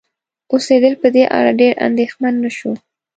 اوسیدل په دې اړه ډېر اندیښمن نشو